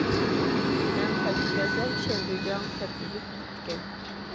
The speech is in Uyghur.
مەن قايتىپ كەلسەم شەن دۈيجاڭ سەپ تۈزۈپ تۇرۇپتىكەن.